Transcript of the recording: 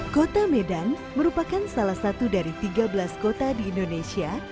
kota medan merupakan salah satu dari tiga belas kota di indonesia